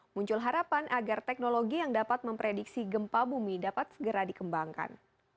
muncul harapan agar teknologi yang dapat memprediksi gempa bumi dapat segera dikembangkan